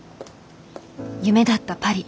夢だったパリ